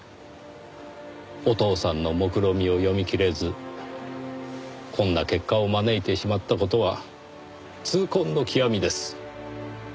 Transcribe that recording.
お父さんのもくろみを読みきれずこんな結果を招いてしまった事は痛恨の極みです。